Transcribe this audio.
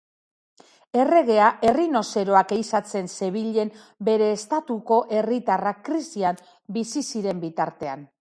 Erregea errinozeroak ehizatzen zebilen bere estatuko herritarrak krisian bizi ziren bitartean.